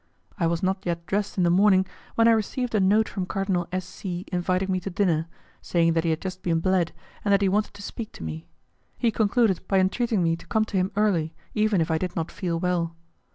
I was not yet dressed in the morning, when I received a note from Cardinal S. C. inviting me to dinner, saying that he had just been bled, and that he wanted to speak to me: he concluded by entreating me to come to him early, even if I did not feel well.